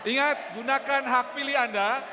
ingat gunakan hak pilih anda